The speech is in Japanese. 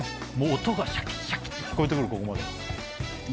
音がシャキシャキって聞こえて来るここまで。